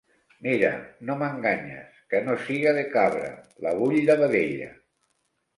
Mira, no m’enganyes, que no siga de cabra, la vull de vedella.